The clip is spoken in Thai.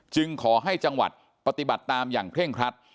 ขอให้จังหวัดปฏิบัติตามอย่างเคร่งครัด